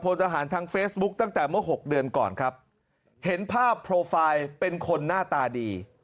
ทหารทางเฟซบุ๊คตั้งแต่เมื่อหกเดือนก่อนครับเห็นภาพโปรไฟล์เป็นคนหน้าตาดี